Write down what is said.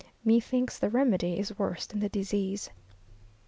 Methinks the remedy is worse than the disease....